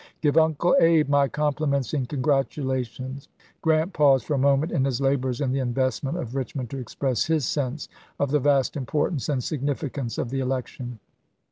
Give Uncle Abe my compliments and congratula tions." Grant paused for a moment in his labors M^. in the investment of Richmond to express his sense of the vast importance and significance of the elec tion.